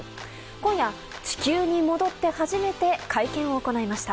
今夜、地球に戻って初めて会見を行いました。